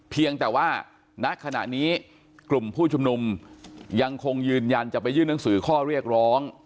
เพียงแต่ว่าณขณะนี้กลุ่มผู้ชุมนุมยังคงยืนยันจะไปยื่นหนังสือข้อเรียกร้อง